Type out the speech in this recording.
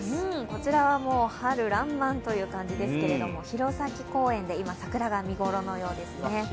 こちらはもう春らんまんという感じですけど、弘前公園で今、桜が見頃のようですね。